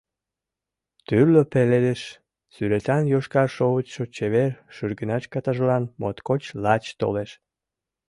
Тӱрлӧ пеледыш сӱретан йошкар шовычшо чевер шӱргыначкатажлан моткоч лач толеш.